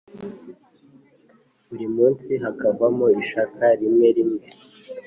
buri munsi hakavamo ishaka rimwe rimwe,